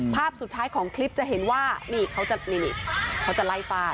ภาพสุดท้ายของคลิปจะเห็นว่าเขาจะไล่ฝาด